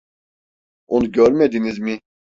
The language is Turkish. Onu görmediniz mi?